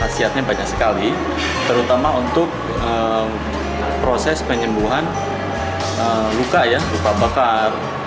hasilnya banyak sekali terutama untuk proses penyembuhan luka ya luka bakar